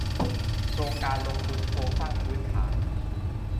โครงการลงทุนโครงสร้างพื้นฐาน